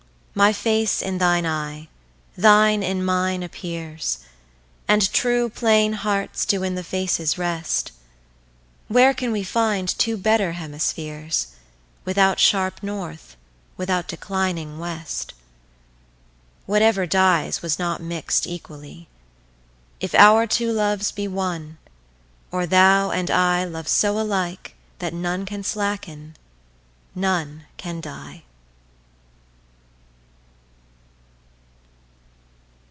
My face in thine eye, thine in mine appeares, And true plaine hearts doe in the faces rest, Where can we finde two better hemisphearesWithout sharpe North, without declining West? What ever dyes, was not mixt equally; If our two loves be one, or, thou and ILove so alike, that none doe slacken, none can die.